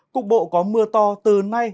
cục bộ có mưa to từ nay